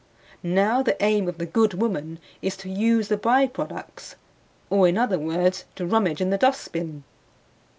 Now the aim of the good woman is to use the by products, or, in other words, to rummage in the dustbin.